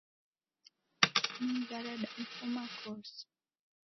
Migha radamfuma kose